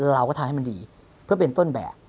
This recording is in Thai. เราก็ทำให้มันดีเพื่อเป็นต้นแบบ